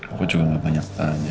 aku juga gak banyak tanya